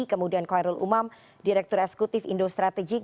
kemudian khairul umam direktur eksekutif indo strategik